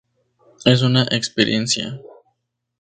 Es una experiencia.